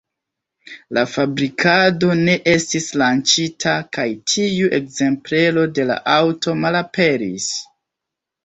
La fabrikado ne estis lanĉita kaj tiu ekzemplero de la aŭto malaperis.